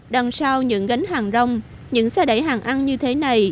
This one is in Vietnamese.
đằng sau những gánh hàng rong những xe đẩy hàng ăn như thế này